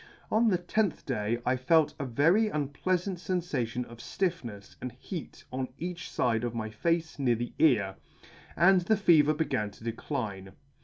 On the tenth day I felt a very unpleafant fenfation of ftiffnefs, and heat on each fide of my face near my ear, and the fever began to decline.